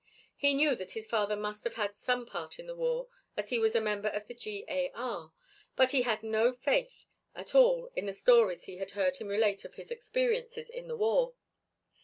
He knew that his father must have had some part in the war as he was a member of the G. A. R., but he had no faith at all in the stories he had heard him relate of his experiences in the war.